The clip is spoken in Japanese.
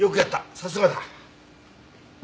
さすがだ。